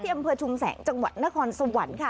อำเภอชุมแสงจังหวัดนครสวรรค์ค่ะ